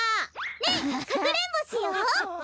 ねえかくれんぼしよう！